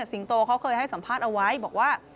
สิงโตเขาเคยให้สัมภาษณ์เอาไว้บอกว่า